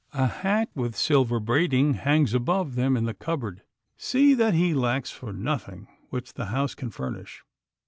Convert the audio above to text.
A hat with silver braiding hangs above them in the cupboard. See that he lacks for nothing which the house can furnish.